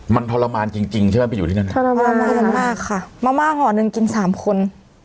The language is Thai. มันทรมานจริงจริงใช่ไหมไปอยู่ที่นั่นทรมานมากค่ะมะม่าห่อหนึ่งกินสามคน